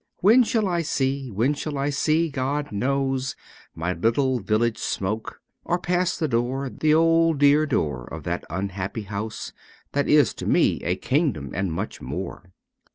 When shall I see, when shall I see, God knows ! My little village smoke ; or pass the door, The old dear door of that unhappy house That is to me a kingdom and much more